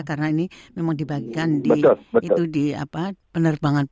karena ini memang dibagikan di penerbangan